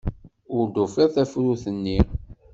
Ur d-ufiɣ tafrut-nni.